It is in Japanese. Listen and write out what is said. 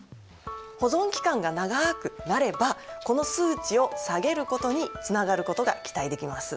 保存期間が長くなればこの数値を下げることにつながることが期待できます。